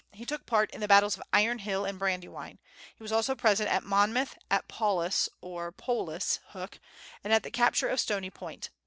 He took part in the battles of Iron Hill and Brandywine. He was also present at Monmouth, at Paulus (or Powles) Hook, and at the capture of Stony Point.